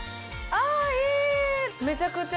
あいい！